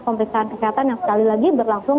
pemeriksaan kesehatan yang sekali lagi berlangsung